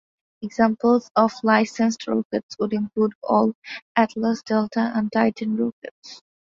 Examples of licensed rockets would include all Atlas, Delta, and Titan rockets.